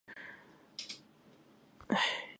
大花雀儿豆为豆科雀儿豆属下的一个种。